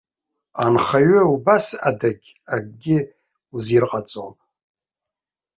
Анхаҩы убас адагь, акгьы узирҟаҵом.